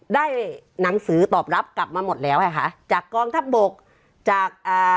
ได้หนังสือตอบรับกลับมาหมดแล้วค่ะจากกองทัพบกจากอ่า